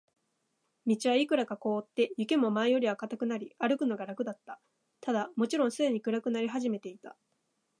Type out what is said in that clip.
道はいくらか凍って、雪も前よりは固くなり、歩くのが楽だった。ただ、もちろんすでに暗くなり始めていた。